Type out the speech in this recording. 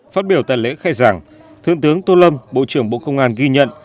phát biểu tại lễ khai giảng thượng tướng tô lâm bộ trưởng bộ công an ghi nhận